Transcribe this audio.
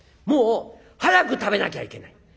もう早く食べなきゃいけない。